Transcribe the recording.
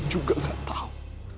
dia berusaha untuk memperingatkan aku